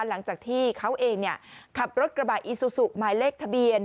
หลังจากที่เขาเองขับรถกระบะอีซูซูหมายเลขทะเบียน